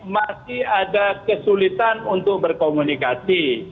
masih ada kesulitan untuk berkomunikasi